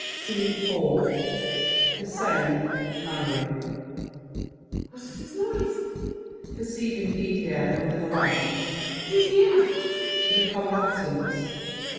SCENE IV The same. Marion MARION. What is this noise? [Perceiving Didier under the lamp. Didier! [To the combatants.